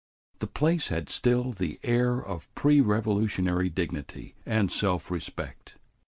The place had still the air of pre Revolutionary dignity and self respect.